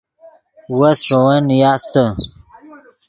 وس ݰے ون نیاستے